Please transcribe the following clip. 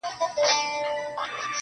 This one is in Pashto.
چي هغه تللې ده نو ته ولي خپه يې روحه.